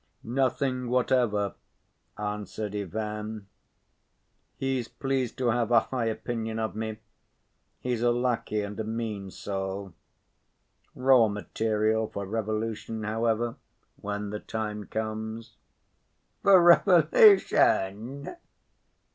"Nothing whatever," answered Ivan. "He's pleased to have a high opinion of me; he's a lackey and a mean soul. Raw material for revolution, however, when the time comes." "For revolution?"